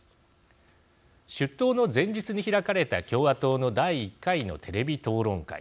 出頭の前日に開かれた共和党の第１回のテレビ討論会。